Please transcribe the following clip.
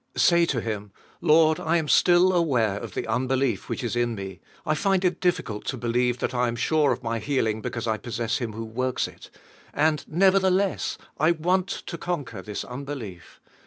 Say to Him, "Lord, I am still aware of the unbelief which is in tee, I find it difficult to believe that I am sure of my healing, because 1 possess Him who works it. And, nevertheless, I want to conquer this unbelief.